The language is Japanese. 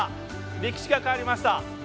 歴史が変わりました！